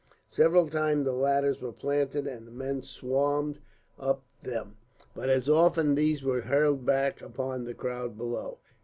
Several times the ladders were planted and the men swarmed up them, but as often these were hurled back upon the crowd below.